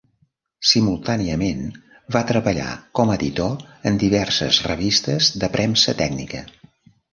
Simultàniament va treballar com a editor en diverses revistes de premsa tècnica.